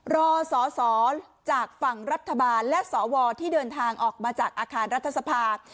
รอสอสอจากฝั่งรัฐบาลและสวที่เดินทางออกมาจากอาคารรัฐสภา